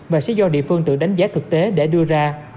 và sẽ do địa phương tự đánh giá thực tế để đưa ra